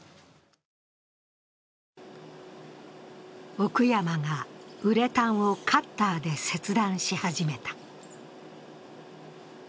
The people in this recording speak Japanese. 奥山がウレタンをカッターで切断し始めた。